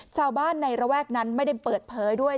ชาวบ้านในระแวกนั้นไม่ได้เปิดเผยด้วย